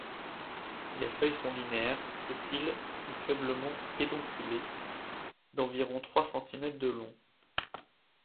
Les feuilles sont linéaires, sessiles ou faiblement pédonculées, d'environ trois centimètres de long.